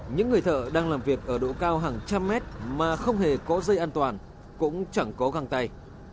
những người thợ đang làm việc ở độ cao hàng trăm mét mà không hề có dây an toàn cũng chẳng có găng tay